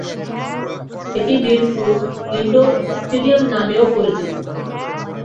এটি Mirpur indoor stadium নামেও পরিচিত।